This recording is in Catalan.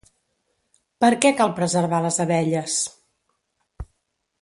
Per què cal preservar les abelles?